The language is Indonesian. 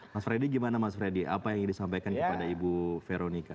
mas freddy gimana mas freddy apa yang ingin disampaikan kepada ibu veronica